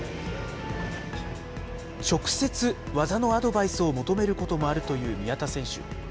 直接、技のアドバイスを求めることもあるという宮田選手。